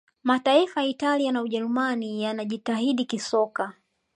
mataifa ya italia na ujerumani yanajitahidi kisoka